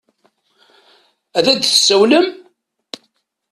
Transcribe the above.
Ad d-tsawalem?